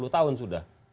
dua puluh tahun sudah